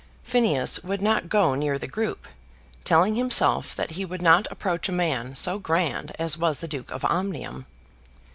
Phineas would not go near the group, telling himself that he would not approach a man so grand as was the Duke of Omnium.